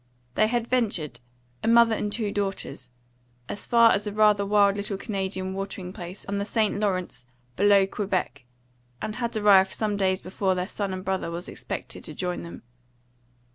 They had ventured a mother and two daughters as far as a rather wild little Canadian watering place on the St. Lawrence, below Quebec, and had arrived some days before their son and brother was expected to join them.